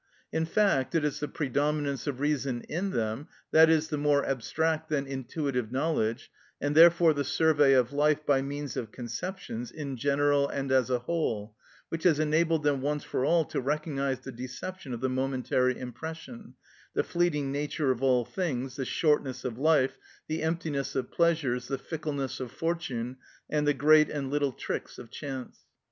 In fact, it is the predominance of reason in them, i.e., the more abstract than intuitive knowledge, and therefore the survey of life by means of conceptions, in general and as a whole, which has enabled them once for all to recognise the deception of the momentary impression, the fleeting nature of all things, the shortness of life, the emptiness of pleasures, the fickleness of fortune, and the great and little tricks of chance.